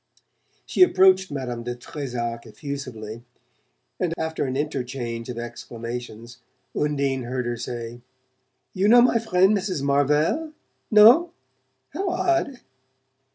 She approached Madame de Trezac effusively, and after an interchange of exclamations Undine heard her say "You know my friend Mrs. Marvell? No? How odd!